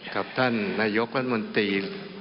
กับท่านนายกรัฐมนตรี